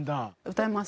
歌えます。